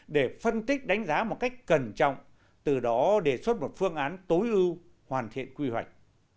để phân tích đánh giá một cách cẩn trọng từ đó đề xuất một phương án tối ưu hoàn thiện quy hoạch